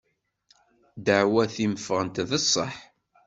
Ddeɛwat-im ffɣen d sseḥ.